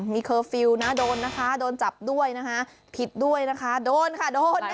มีเคอร์ฟิลล์นะโดนนะคะโดนจับด้วยนะคะผิดด้วยนะคะโดนค่ะโดนนะคะ